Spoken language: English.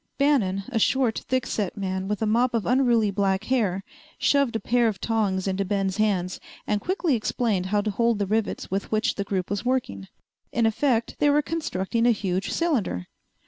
Bannon, a short, thickset man with a mop of unruly black hair shoved a pair of tongs into Ben's hands and quickly explained how to hold the rivets with which the group was working. In effect they were constructing a huge cylinder.